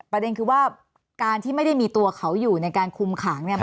ประเด็นคือว่าการที่ไม่ได้มีตัวเขาอยู่ในการคุมขังเนี่ย